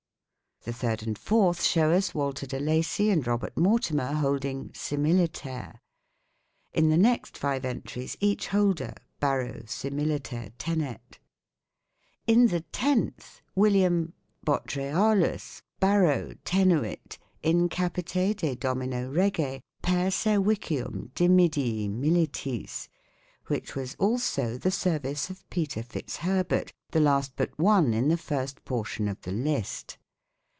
The third and fourth show us Walter de Lacy and Robert Mortimer holding " similiter ". In the next five entries each holder " baro similiter tenet ". In the tenth William " Botrealus baro tenuit in capite de domino rege per servicium dimidii militis," which was also the service of Peter Fitz Herbert, the last but one in the first portion of the list.